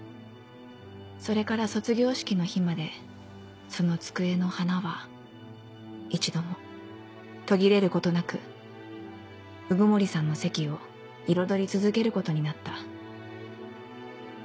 それから卒業式の日までその机の花は一度も途切れることなく鵜久森さんの席を彩り続けることになった